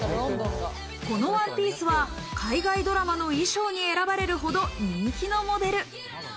このワンピースは海外ドラマの衣装に選ばれるほど人気のモデル。